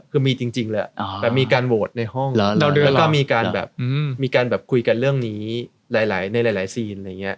คือมีจริงแล้วมีการโหวตในห้องแล้วก็มีการคุยกันเรื่องนี้ในหลายซีน